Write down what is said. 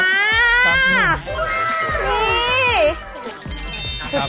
ดูจ้า